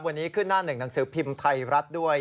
วันนี้ขึ้นหน้าหนึ่งหนังสือพิมพ์ไทยรัฐด้วย